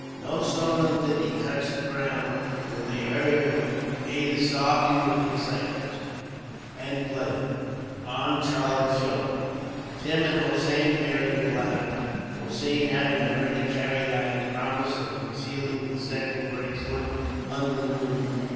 No sooner did he touch the ground than they hurried away; Ada sobbing, with excitement and pleasure, on Charlie's shoulder; Tim and Hossein bearing the ladder; Hossein having already carried out his promise of concealing the second bracelet under the window.